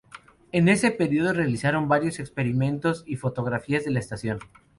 En ese periodo realizaron varios experimentos y fotografías de la estación.